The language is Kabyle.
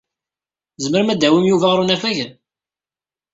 Tzemrem ad tawim Yuba ɣer unafag?